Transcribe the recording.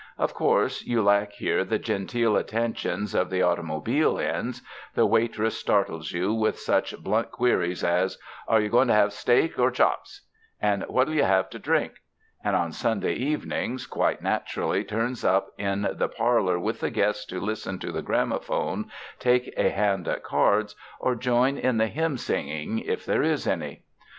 Of course, you lack here the genteel attentions of the automobile inns ; the waitress startles you with such blunt queries as, "Are you going to have steak or chops?" and "What '11 you have to drink?" and on Sunday evenings quite naturally turns up in the par lor with the guests to listen to the graphophone, take a hand at cards, or join in the hymn singing, if there is any.